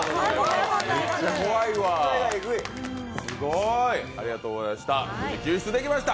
すごーい、ありがとうございました。